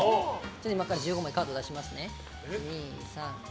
今から１５枚カード出しますね。